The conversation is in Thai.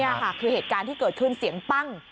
นี่ค่ะคือเหตุการณ์ที่เกิดขึ้นเสียงปั้ง